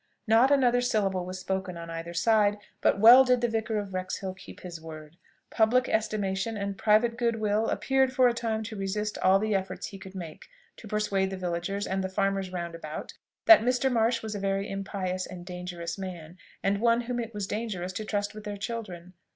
Not another syllable was spoken on either side; but well did the vicar of Wrexhill keep his word. Public estimation and private good will appeared for a time to resist all the efforts he could make to persuade the villagers, and the farmers round about, that Mr. Marsh was a very impious and dangerous man, and one whom it was dangerous to trust with their children.